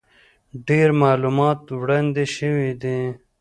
ډېر معلومات وړاندې شوي دي،